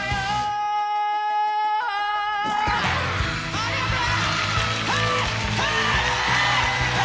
ありがとう！